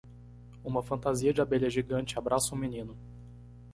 Uma fantasia de abelha gigante abraça um menino.